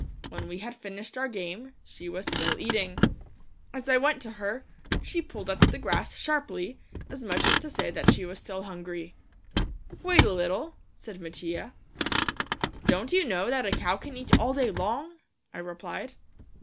When we had finished our game, she was still eating. As I went to her, she pulled at the grass sharply, as much as to say that she was still hungry. "Wait a little," said Mattia. "Don't you know that a cow can eat all day long?" I replied.